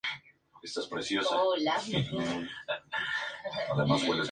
La "hard-edge painting" se conoce por el nombre de pintura de contornos nítidos.